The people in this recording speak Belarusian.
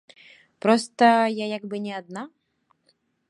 Проста я як бы не адна.